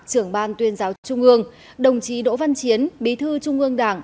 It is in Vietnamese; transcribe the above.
trưởng ban tuyên giáo trung ương đồng chí đỗ văn chiến bí thư trung ương đảng